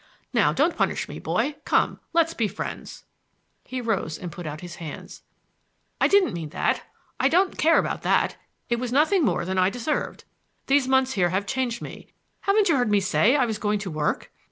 Now don't punish me, boy. Come! Let us be friends!" He rose and put out his hands. "I didn't mean that! I don't care about that! It was nothing more than I deserved. These months here have changed me. Haven't you heard me say I was going to work?"